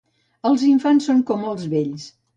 Els infants són com els vells.